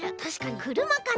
くるまかな？